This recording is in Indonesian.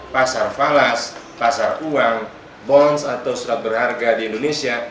pasar falas pasar uang bons atau surat berharga di indonesia